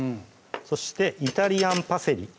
そしてイタリアンパセリ